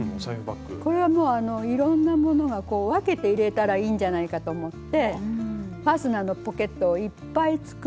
これはもういろんなものが分けて入れたらいいんじゃないかと思ってファスナーのポケットをいっぱい作って。